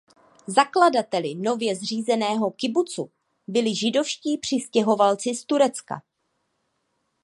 Zakladateli nově zřízeného kibucu byli židovští přistěhovalci z Turecka.